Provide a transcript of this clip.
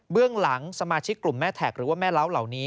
หลังสมาชิกกลุ่มแม่แท็กหรือว่าแม่เล้าเหล่านี้